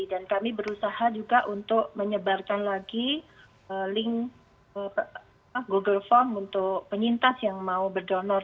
dan kami berusaha juga untuk menyebarkan lagi link google form untuk penyintas yang mau berdonor